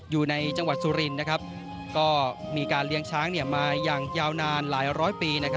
อยู่ในจังหวัดสุรินทร์ก็มีการเลี้ยงช้างมาอย่างยาวนานหลายร้อยปี